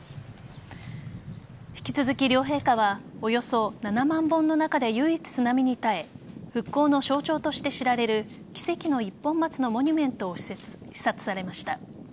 引き続き、両陛下はおよそ７万本の中で唯一津波に耐え復興の象徴として知られる奇跡の一本松のモニュメントを視察されました。